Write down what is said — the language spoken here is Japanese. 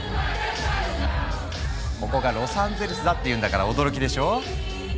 ここがロサンゼルスだっていうんだから驚きでしょ？